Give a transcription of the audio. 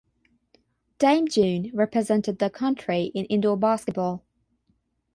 Dame June represented the country in Indoor Basketball.